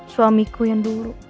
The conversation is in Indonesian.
suamiku yang dulu